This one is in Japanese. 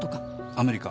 アメリカ？